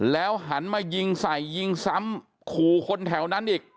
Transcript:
แล้วหันมายิงใส่ยิงซ้ำขู่คนแถวนั้นอีก